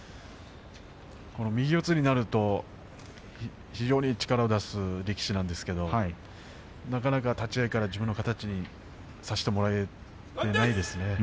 右四つになると非常に力を出す力士なんですがなかなか立ち合いから自分の形にさせてもらっていません。